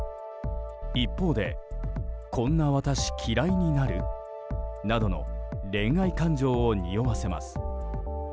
一方で、こんな私嫌いになる？などの恋愛感情をにおわせます。